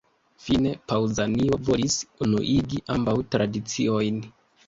Fine, Paŭzanio volis unuigi ambaŭ tradiciojn.